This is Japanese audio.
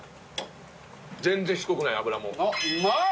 全然しつこくない脂も。